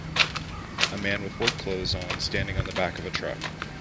A man with work clothes on standing on the back of a truck.